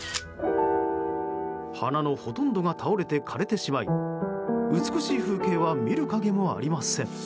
花のほとんどが倒れて枯れてしまい美しい風景は見る影もありません。